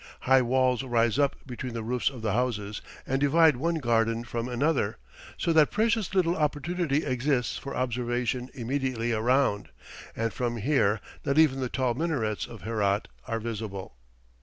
High walls rise up between the roofs of the houses and divide one garden from another, so that precious little opportunity exists for observation immediately around, and from here not even the tall minarets of Herat are visible.